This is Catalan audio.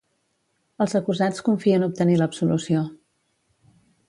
Els acusats confien obtenir l’absolució.